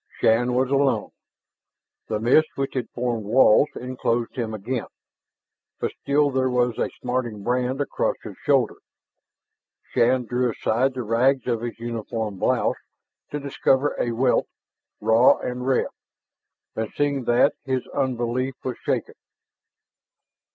Shann was alone. The mist, which had formed walls, enclosed him again. But still there was a smarting brand across his shoulder. Shann drew aside the rags of his uniform blouse to discover a welt, raw and red. And seeing that, his unbelief was shaken.